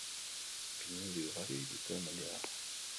Pinudi ugari dituen mendia da.